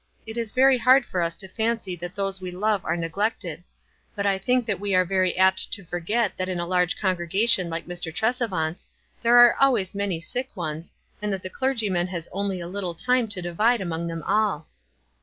"It is very hard for us to fancy that those we love are neglected ; but I think we are very apt to forget that in a large congre gation like Mr. Tresevant's there are always many sick ones, and that the clergyman has only a little time to divide among them all."